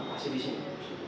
masih di sini